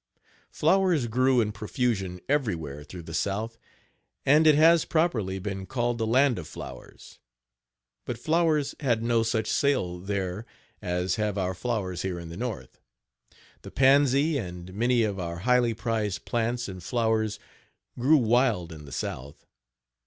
Flowers grew in profusion everywhere through the south, and it has, properly, been called the land of flowers. But flowers had no such sale there as have our flowers here in the north. The pansy and many of our highly prized plants and flowers grew wild in the south.